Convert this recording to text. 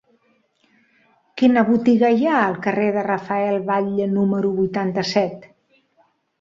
Quina botiga hi ha al carrer de Rafael Batlle número vuitanta-set?